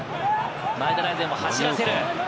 前田大然を走らせる。